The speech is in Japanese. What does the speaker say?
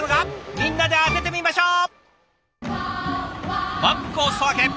みんなで当ててみましょう！